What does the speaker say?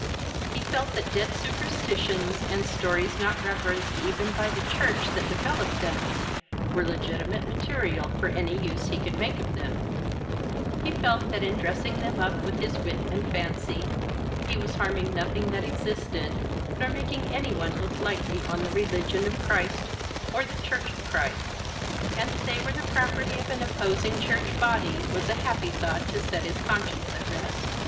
He felt that dead superstitions, and stories not reverenced even by the Church that developed them, were legitimate material for any use he could make of them; he felt that in dressing them up with his wit and fancy he was harming nothing that existed, nor making any one look lightly on the religion of Christ or the Church of Christ: and that they were the property of an opposing church body was a happy thought to set his conscience at rest.